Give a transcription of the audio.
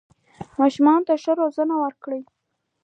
ماشومانو ته ښه روزنه ورکړئ